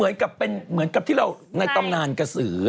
อืมแบบก็เหมือนกับที่เราในต่ำนานกระสือ